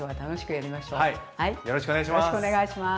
よろしくお願いします。